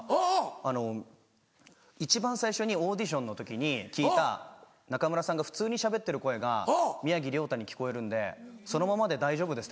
「あの一番最初にオーディションの時に聞いた仲村さんが普通にしゃべってる声が宮城リョータに聞こえるんでそのままで大丈夫です」って。